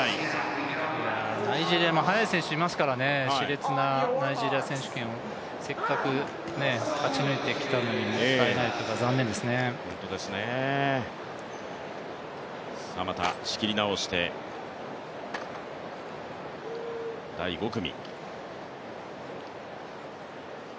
ナイジェリアも速い選手がいますからね、しれつなナイジェリア選手権をせっかく勝ち抜いてきたのにもったいないというか、残念ですねまた仕切り直して、第５組。